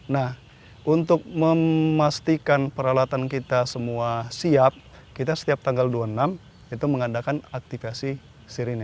nah untuk memastikan peralatan kita semua siap kita setiap tanggal dua puluh enam itu mengadakan aktifasi sirine